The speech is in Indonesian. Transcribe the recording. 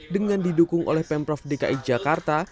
dengan didukung oleh pemprov dki jakarta